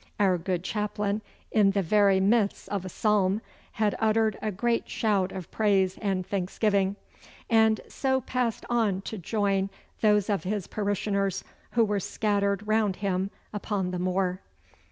Our good chaplain, in the very midst of a psalm, had uttered a great shout of praise and thanksgiving, and so passed on to join those of his parishioners who were scattered round him upon the moor.